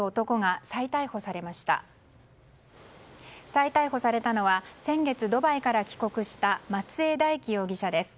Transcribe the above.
再逮捕されたのは先月ドバイから帰国した松江大樹容疑者です。